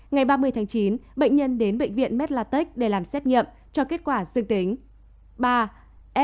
ngày ba mươi tháng chín bệnh nhân đến bệnh viện medlatech để làm xét nghiệm cho kết quả dương tính